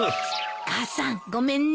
母さんごめんね。